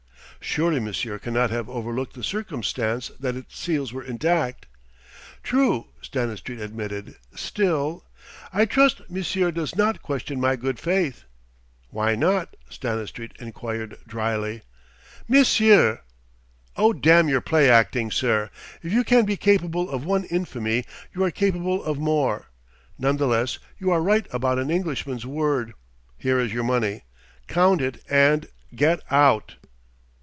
"Surely monsieur cannot have overlooked the circumstance that its seals were intact." "True," Stanistreet admitted. "Still...." "I trust Monsieur does not question my good faith?" "Why not?" Stanistreet enquired drily. "Monsieur!" "Oh, damn your play acting, sir! If you can be capable of one infamy, you are capable of more. None the less, you are right about an Englishman's word: here is your money. Count it and get out!"